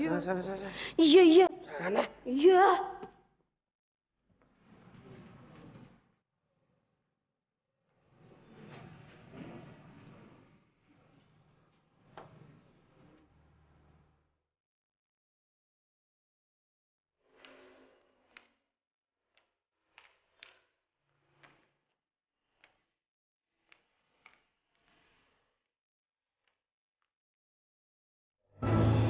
ija bukan sebagai nama tuanku